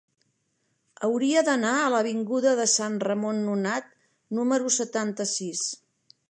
Hauria d'anar a l'avinguda de Sant Ramon Nonat número setanta-sis.